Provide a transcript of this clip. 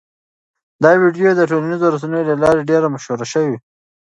دا ویډیو د ټولنیزو رسنیو له لارې ډېره مشهوره شوه.